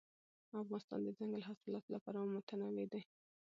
افغانستان د دځنګل حاصلات له پلوه متنوع دی.